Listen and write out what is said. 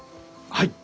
はい！